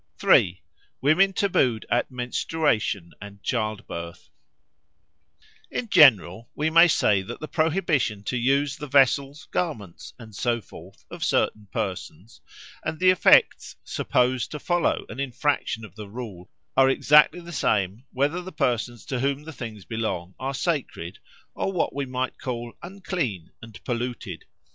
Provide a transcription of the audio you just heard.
3. Women tabooed at Menstruation and Childbirth IN GENERAL, we may say that the prohibition to use the vessels, garments, and so forth of certain persons, and the effects supposed to follow an infraction of the rule, are exactly the same whether the persons to whom the things belong are sacred or what we might call unclean and polluted.